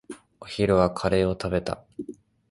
お昼はカレーを食べた。